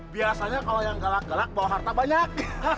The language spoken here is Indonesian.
biasanya kalau yang galak galak bawa harta banyak